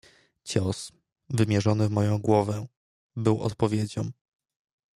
"Cios, wymierzony w moją głowę, był odpowiedzią."